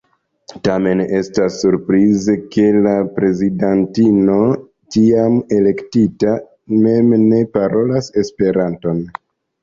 Tamen, estas surprize ke la prezidantino tiam elektita mem ne parolas Esperanton.